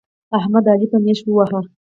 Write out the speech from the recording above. احمد؛ علي په نېښ وواهه.